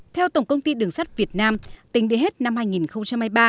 theo tổng công ty đường sắt việt nam tính đến hết năm hai nghìn hai mươi ba